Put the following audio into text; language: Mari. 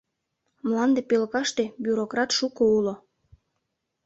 Мланде пӧлкаште бюрократ шуко уло.